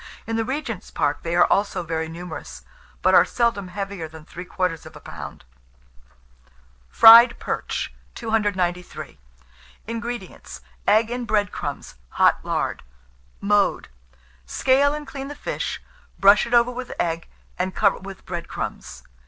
In the Regent's Park they are also very numerous; but are seldom heavier than three quarters of a pound. FRIED PERCH. 293. INGREDIENTS. Egg and bread crumbs, hot lard. Mode. Scale and clean the fish, brush it over with egg, and cover with bread crumbs.